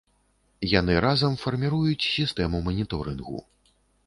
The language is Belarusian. Яны разам фарміруюць сістэму маніторынгу.